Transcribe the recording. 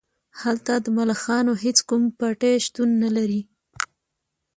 هلته د ملخانو هیڅ کوم پټی شتون نلري